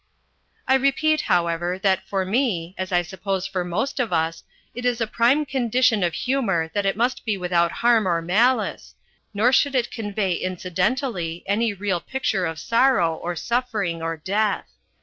I repeat, however, that for me, as I suppose for most of us, it is a prime condition of humour that it must be without harm or malice, nor should it convey incidentally any real picture of sorrow or suffering or death.